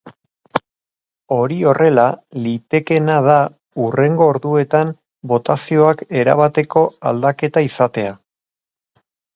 Hori horrela, litekeena da hurrengo orduetan botazioak erabateko aldaketa izatea.